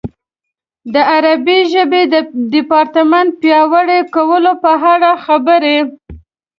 د عربي ژبې د ډیپارټمنټ پیاوړي کولو په اړه خبرې.